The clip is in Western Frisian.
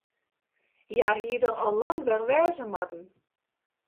Hja hie der al lang wer wêze moatten.